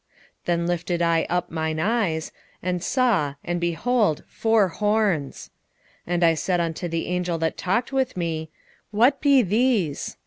1:18 Then lifted I up mine eyes, and saw, and behold four horns. 1:19 And I said unto the angel that talked with me, What be these?